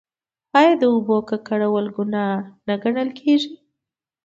آیا د اوبو ککړول ګناه نه ګڼل کیږي؟